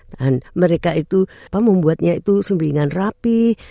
dan mereka itu membuatnya itu sembinggan rapi